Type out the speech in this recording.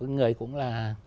người cũng là